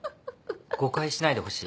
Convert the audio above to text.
誤解しないでほしい。